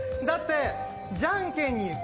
だってジャンケンに